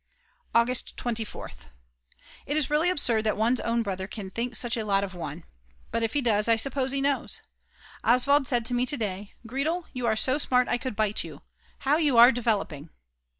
August 24th. It is really absurd that one's own brother can think such a lot of one; but if he does, I suppose he knows. Oswald said to me to day: "Gretl, you are so smart I could bite you. How you are developing."